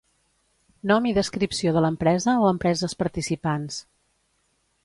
Nom i descripció de l'empresa o empreses participants.